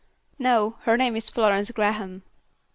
"No; her name is Florence Graham."